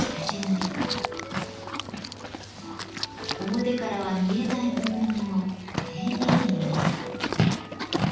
表からは見えない部分にも丁寧に塗ります。